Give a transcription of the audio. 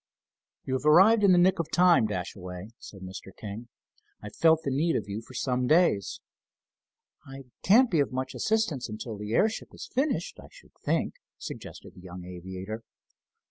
"You have arrived in the nick of time, Dashaway," said Mr. King. "I've felt the need of you for some days." "I can't be of much assistance until the airship is finished, I should think," suggested the young aviator.